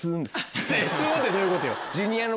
「スン」ってどういうことよ。